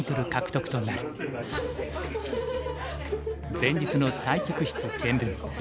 前日の対局室検分。